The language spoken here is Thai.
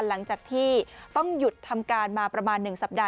หลังจากที่ต้องหยุดทำการมาประมาณ๑สัปดาห